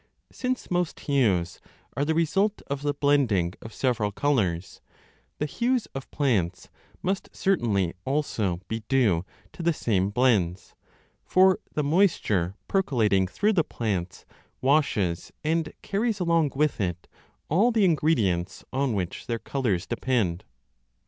Since most hues are the result of the blending of several colours, the hues of plants must certainly also be due to the same blends ; for the mois 5 ture percolating through the plants washes and carries along with it all the ingredients on which their colours depend.